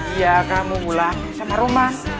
iya kamu ngulak sama rumah